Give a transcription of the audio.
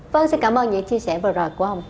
vâng xin cảm ơn những chia sẻ vừa rồi của ông